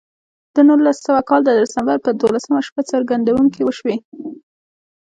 د نولس سوه کال د ډسمبر پر دولسمه شپه څرګندونې وشوې